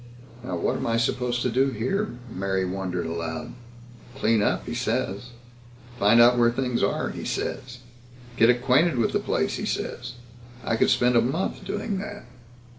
"Now what am I supposed to do here?" Mary wondered aloud. "Clean up, he says. Find out where things are, he says. Get acquainted with the place, he says. I could spend a month doing that."